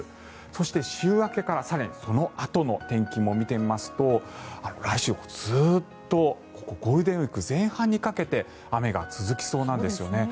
そして週明けから更にそのあとの天気も見てみますと来週、ずっとゴールデンウィーク前半にかけて雨が続きそうなんですね。